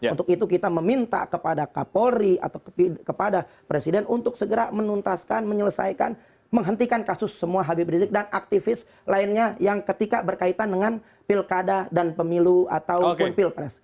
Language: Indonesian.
untuk itu kita meminta kepada kapolri atau kepada presiden untuk segera menuntaskan menyelesaikan menghentikan kasus semua habib rizik dan aktivis lainnya yang ketika berkaitan dengan pilkada dan pemilu ataupun pilpres